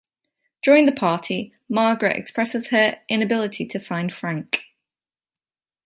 During the party, Margaret expresses her inability to find Frank.